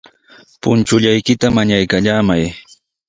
Punchullaykita mañaykallamay.